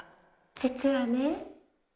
実はね。